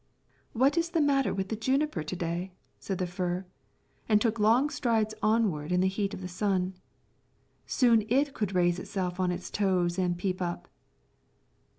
"What is the matter with the juniper to day?" said the fir, and took long strides onward in the heat of the sun. Soon it could raise itself on its toes and peep up.